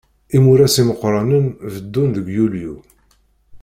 Imuras imeqqranen beddun deg yulyu.